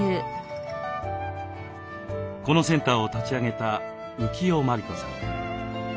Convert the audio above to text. このセンターを立ち上げた浮世満理子さん。